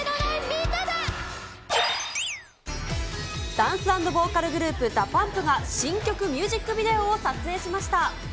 ダンス＆ボーカルグループ、ＤＡＰＵＭＰが、新曲ミュージックビデオを撮影しました。